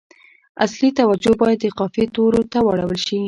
اصلي توجه باید د قافیې تورو ته واړول شي.